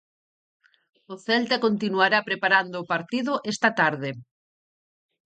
O Celta continuará preparando o partido esta tarde.